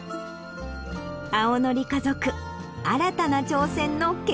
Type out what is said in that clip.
青のり家族新たな挑戦の結果は？